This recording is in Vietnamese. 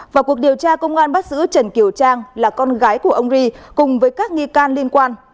vào cuộc điều tra công an bắt giữ trần kiều trang là con gái của ông ri cùng với các nghi can liên quan